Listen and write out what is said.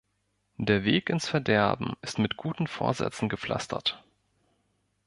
Der Weg ins Verderben ist mit guten Vorsätzen gepflastert.